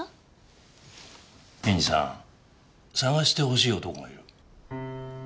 検事さん探してほしい男がいる。